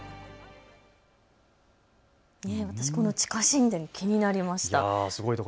地下神殿、気になりました。